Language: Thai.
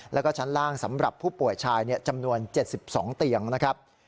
แล้วก็ชั้นล่างสำหรับผู้ป่วยชายจำนวน๗๒เตียงนะครับ